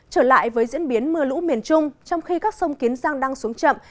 trở lại với diễn biến mưa lũ miền trung trong khi các sông kiến giang đang xuống chậm